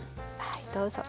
はいどうぞ。